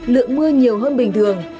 lượng mưa nhiều hơn bình thường